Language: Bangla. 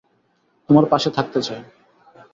তোমার পাশে থাকতে চাই।